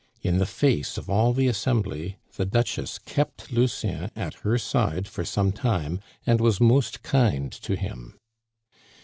In the face of all the assembly, the Duchess kept Lucien at her side for some time, and was most kind to him.